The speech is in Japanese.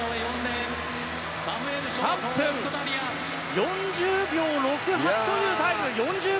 ３分４０秒６８というタイム。